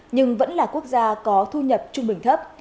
nhưng vẫn là quốc gia có thu nhập trung bình thấp